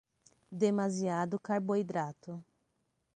Demasiado carboidrato